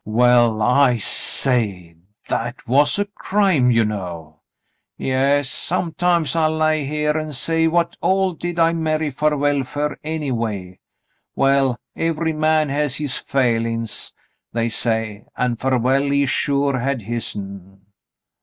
"Well, I say ! That was a crime, you know." "Yes. Sometimes I lay here an' say what all did I marry Farwell fer, anyway. Well — every man has his failin's, the' say, an' Farwell, he sure had hisn."